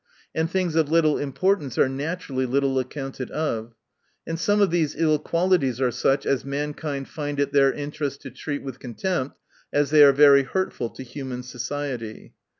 And things of little importance are naturally little accounted of. — And some of these ill qualities are such as mankind^ find it their interest to treat with contempt, as they are very hurtful to human society.